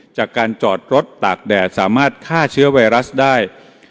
จากการจอดรถตากแดดสามารถฆ่าเชื้อไวรัสได้